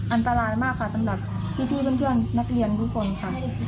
อันตรายมากค่ะสำหรับพี่เพื่อนนักเรียนทุกคนค่ะ